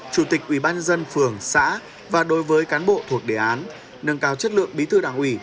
chủ tịch ủy ban dân phường xã và đối với cán bộ thuộc đề án nâng cao chất lượng bí thư đảng ủy